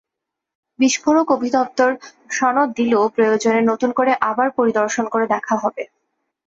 বিস্ফোরক অধিদপ্তর সনদ দিলেও প্রয়োজনে নতুন করে আবার পরিদর্শন করে দেখা হবে।